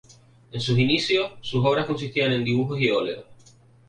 En sus inicios, sus obras consistían en dibujos y óleos.